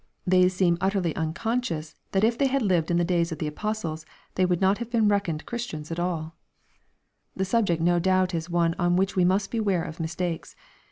They seem utterly unconscioua 398 EXPOSITORY TH0UGHT8. that if they had lived ia the days of the apostles they would not have been reckoned Christians at all. The subject no doubt is one on which we must beware of mistakes.